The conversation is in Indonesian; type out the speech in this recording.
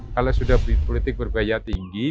kalau sudah politik berbaya tinggi